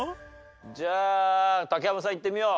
じゃあ竹山さんいってみよう。